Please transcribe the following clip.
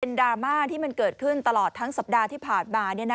ดราม่าที่มันเกิดขึ้นตลอดทั้งสัปดาห์ที่ผ่านมา